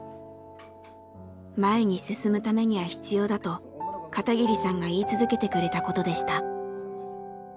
前に進むためには必要だと片桐さんが言い続けてくれたことでした。